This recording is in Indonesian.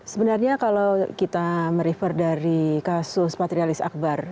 sebenarnya kalau kita merefer dari kasus patrialis akbar